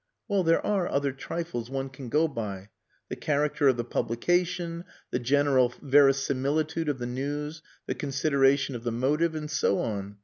"Well, there are other trifles one can go by. The character of the publication, the general verisimilitude of the news, the consideration of the motive, and so on.